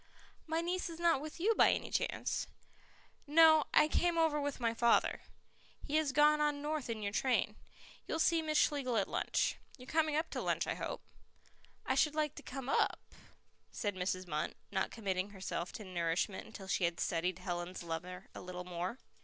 "My niece is not with you by any chance?" "No; I came over with my father. He has gone on north in your train. You'll see Miss Schlegel at lunch. You're coming up to lunch, I hope?" "I should like to come UP," said Mrs. Munt, not committing herself to nourishment until she had studied Helen's lover a little more.